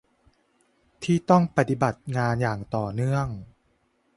ที่ต้องปฏิบัติงานอย่างต่อเนื่อง